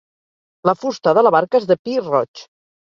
La fusta de la barca és de pi roig.